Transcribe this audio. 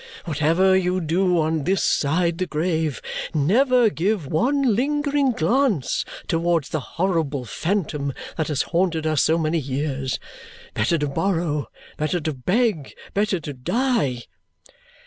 Whatever you do on this side the grave, never give one lingering glance towards the horrible phantom that has haunted us so many years. Better to borrow, better to beg, better to die!"